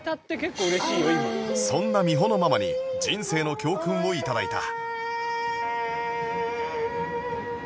そんなみほのママに人生の教訓を頂いた